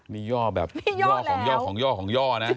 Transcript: นี่ย่อแบบย่อของย่อของย่อของย่อนะ